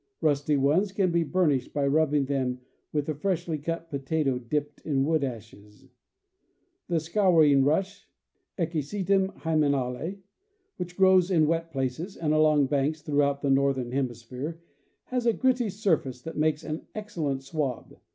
Rusty ones can be burnished by rubbing with a freshly cut potato dipped in wood ashes. The scouring rush (Equisetum hymenale), which grows in wet places and along banks throughout the northern hemisphere, has a gritty surface that makes an excel lent swab.